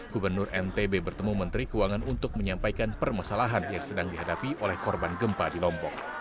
gubernur ntb bertemu menteri keuangan untuk menyampaikan permasalahan yang sedang dihadapi oleh korban gempa di lombok